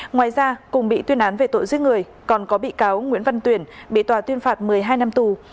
ngoài ra cùng bị tuyên án về tội giết người còn có bị cáo nguyễn văn tuyển bị tòa tuyên phạt một mươi hai năm tù